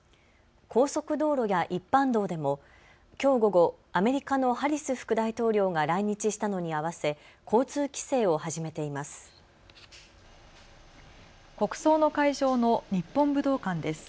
高速道路や一般道でもきょう午後、アメリカのハリス副大統領が来日したのに合わせ交通規制を始めています。